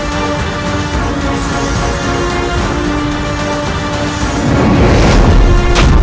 bisa di espek tempat ketemu